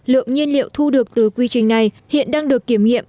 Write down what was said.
lượng nhiên liệu thu được từ quy trình này hiện đang được kiểm nghiệm